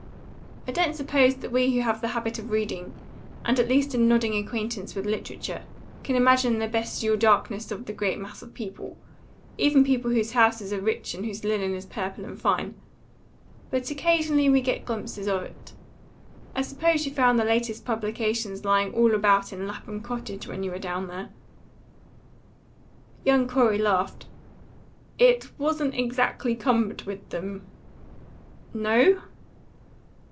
I don't suppose that we who have the habit of reading, and at least a nodding acquaintance with literature, can imagine the bestial darkness of the great mass of people even people whose houses are rich and whose linen is purple and fine. But occasionally we get glimpses of it. I suppose you found the latest publications lying all about in Lapham cottage when you were down there?" Young Corey laughed. "It wasn't exactly cumbered with them." "No?"